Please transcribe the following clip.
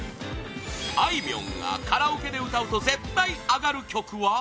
あいみょんがカラオケで歌うと絶対アガる曲は？